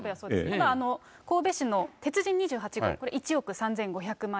神戸市の鉄人２８号、１億３５００万円。